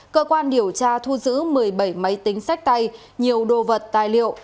cơ quan điều tra thu giữ một mươi bảy máy tính sách tay nhiều đồ vật tài liệu